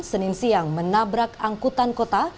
senin siang menabrak angkutan kota